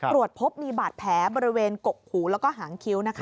ตรวจพบมีบาดแผลบริเวณกกหูแล้วก็หางคิ้ว